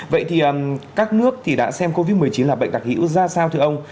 vậy thì các nước thì đã xem covid một mươi chín là bệnh đặc hữu ra sao thưa ông